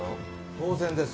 当然です。